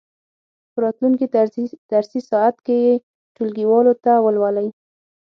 په راتلونکې درسي ساعت کې یې ټولګیوالو ته ولولئ.